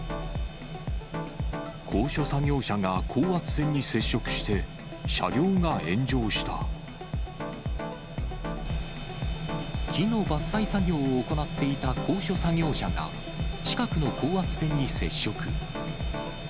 高所作業車が高圧線に接触し木の伐採作業を行っていた高所作業車が、近くの高圧線に接触。